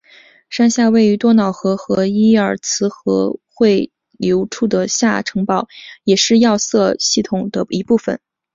山下位于多瑙河和伊尔茨河汇流处的下城堡也是要塞系统的一部分。